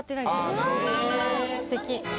すてき！